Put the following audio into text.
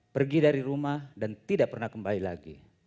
pergi dari rumah dan tidak pernah kembali lagi